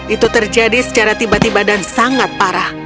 itu terjadi secara tiba tiba dan sangat parah